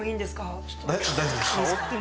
大丈夫です。